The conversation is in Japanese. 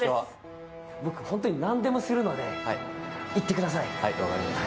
僕、本当に何でもするので言ってください。